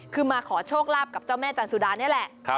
คือมาขอโชคลาภกับเจ้าแม่จันสุดานี่แหละ